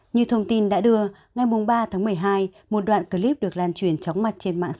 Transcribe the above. như thông tin đã đưa ngày ba tháng một mươi hai một đoạn clip được lan truyền chóng mặt trên mạng xã hội